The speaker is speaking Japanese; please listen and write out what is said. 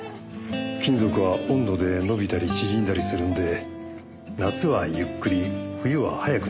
金属は温度で伸びたり縮んだりするんで夏はゆっくり冬は早くなります。